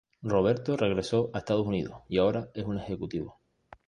Roberto regresó a Estados Unidos y ahora es un ejecutivo.